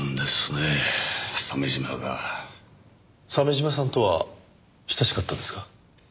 鮫島さんとは親しかったんですか？